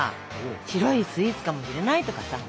白いスイーツかもしれないとかさ。